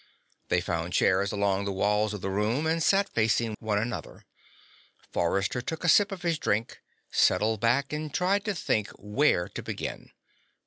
They found chairs along the walls of the room and sat facing one another. Forrester took a sip of his drink, settled back, and tried to think where to begin.